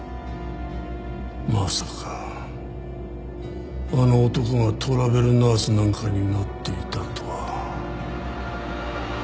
まさかあの男がトラベルナースなんかになっていたとは。